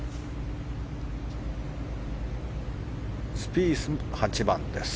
スピース、８番です。